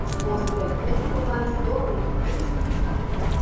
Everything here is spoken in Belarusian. Бо стэрэатыпы бываюць добрыя і кепскія.